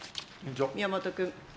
宮本君。